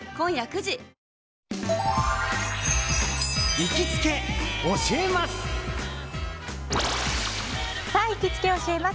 行きつけ教えます！